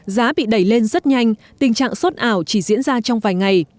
giá bị đẩy lên rất nhanh tình trạng sốt ảo chỉ diễn ra trong vài ngày